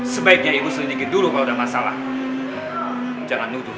sebaiknya ibu sedikit dulu kalau ada masalah jangan nuduh